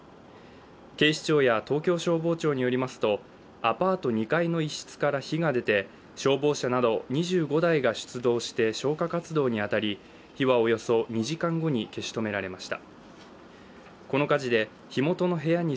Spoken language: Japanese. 警視庁や東京消防庁によりますとアパート２階の一室から火が出て消防車など２５台が出動して消火活動に当たり火はおよそ２時間後に消し止められました。